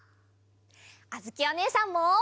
あづきおねえさんも！